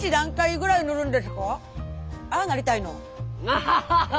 アハハハ！